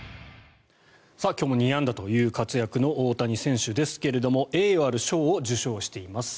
今日も２安打という活躍の大谷選手ですけれども栄誉ある賞を受賞しています。